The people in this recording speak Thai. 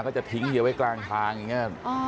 จะทิ้งเยอะไว้กลางทางอย่างนี้